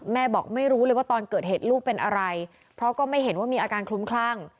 บอกไม่รู้เลยว่าตอนเกิดเหตุลูกเป็นอะไรเพราะก็ไม่เห็นว่ามีอาการคลุ้มคลั่ง